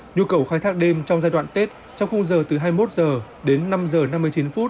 nhu cầu khai thác đêm trong giai đoạn tết trong khung giờ từ hai mươi một h đến năm h năm mươi chín phút